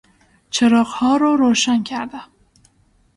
چراغها را روشن کردم.